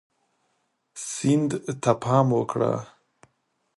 سیند ته پام وکړه.